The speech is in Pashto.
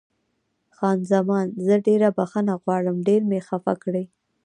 خان زمان: زه ډېره بښنه غواړم، ډېر مې خفه کړې.